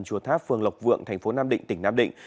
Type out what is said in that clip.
chùa tháp phường lộc vượng tp nam định tỉnh nam định